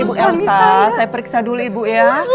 ibu elsa saya periksa dulu ibu ya